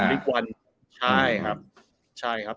อีกวันใช่ครับ